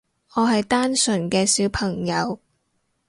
我係單純嘅小朋友